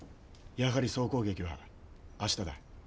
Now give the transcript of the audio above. やはり総攻撃は明日だ。